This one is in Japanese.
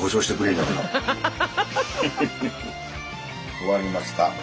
終わりました。